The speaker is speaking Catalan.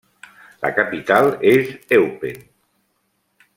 La capital és Eupen.